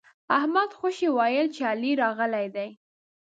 احمد خوشي ويل چې علي راغلی دی.